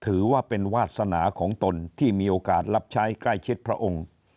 ถือว่าเป็นวาสนาของตนที่มีโอกาสรับใช้ใกล้ชิดพระองค์